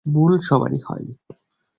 ভুল সবারই হয়।